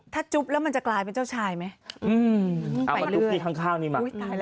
ถ้าจุ๊บแล้วมันจะกลายเป็นเจ้าชายไหม